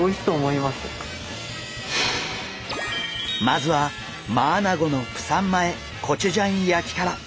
まずはマアナゴのプサン前コチュジャン焼きから！